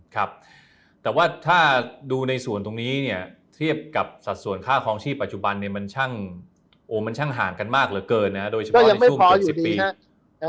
ครับแต่ว่าถ้าดูในส่วนตรงนี้เนี่ยเทียบกับสัดส่วนค่าคลองชีพปัจจุบันเนี่ยมันช่างโอ้มันช่างห่างกันมากเหลือเกินนะโดยเฉพาะในช่วง๗๐ปี